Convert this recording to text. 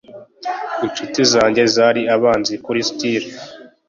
inshuti zanjye zari abanzi kuri stil